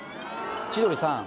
千鳥さん